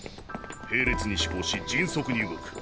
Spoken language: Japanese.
並列に思考し迅速に動く。